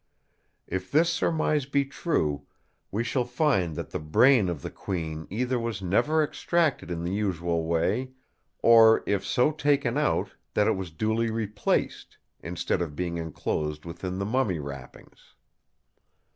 If this surmise be true, we shall find that the brain of the Queen either was never extracted in the usual way, or, if so taken out, that it was duly replaced, instead of being enclosed within the mummy wrappings.